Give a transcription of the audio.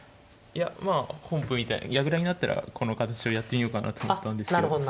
いやまあ本譜みたいに矢倉になったらこの形をやってみようかなと思ったんですけど。